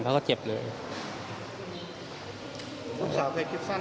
ไทยก็บอกว่านิดเดียวกัน